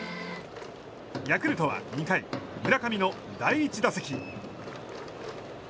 ヤクルトは２回村上の第１打席。